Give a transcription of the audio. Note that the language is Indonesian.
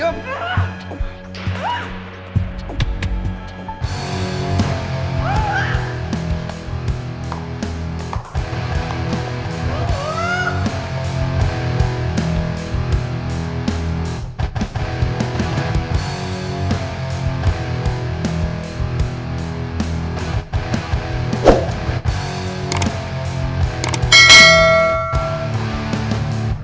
oke ateak ya